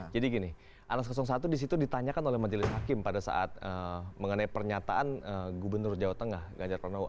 jadi gini anas satu di situ ditanyakan oleh majelis hakim pada saat mengenai pernyataan gubernur jawa tengah gajar pranowo